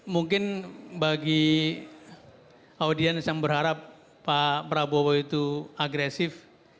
mungkin bagi audiens yang berharap pak prabowo itu agresif